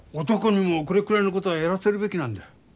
男にもこれくらいのことはやらせるべきなんだ。